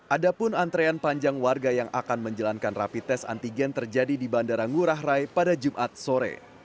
ada pun antrean panjang warga yang akan menjalankan rapi tes antigen terjadi di bandara ngurah rai pada jumat sore